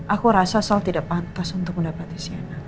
aku rasa soal tidak pantas untuk mendapati sienna